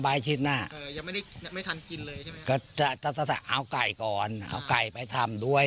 อืมคิดว่าไก่คงมันไม่อยากตาย